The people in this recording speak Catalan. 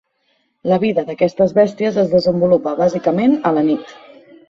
La vida d'aquestes bèsties es desenvolupa bàsicament a la nit.